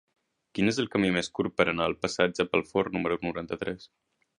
Quin és el camí més curt per anar al passatge Pelfort número noranta-tres?